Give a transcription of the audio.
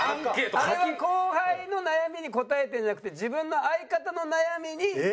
あれは後輩の悩みに答えてるんじゃなくて自分の相方の悩みに答えてる。